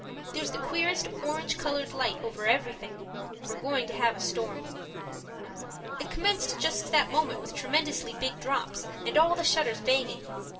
There's the queerest orange coloured light over everything. We're going to have a storm. It commenced just that moment with tremendously big drops and all the shutters banging.